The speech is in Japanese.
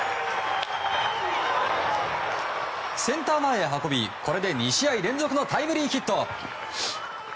センター前へ運びこれで２試合連続のタイムリーヒット。